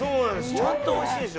ちゃんとおいしいでしょ？